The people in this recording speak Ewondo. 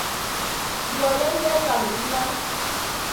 Yi wa yen nda dzama nyina?